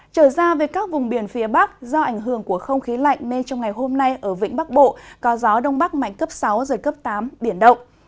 trở ra về các vùng biển phía bắc do ảnh hưởng của không khí lạnh nên trong ngày hôm nay ở vĩnh bắc bộ có gió đông bắc mạnh cấp sáu giật cấp tám biển động